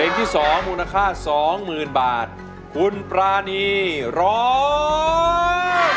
ที่สองมูลค่าสองหมื่นบาทคุณปรานีร้อง